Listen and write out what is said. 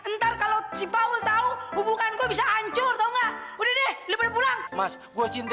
ntar kalau si paul tahu hubungan gue bisa hancur tahu nggak udah deh lewat pulang mas gue cinta